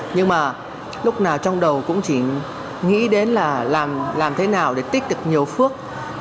nhưng mà lúc nào trong đầu cũng chỉ nghĩ đến là làm thế nào để tích được nhiều phước